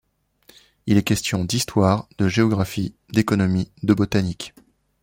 Il est question d’histoire, de géographie, d’économie, de botanique.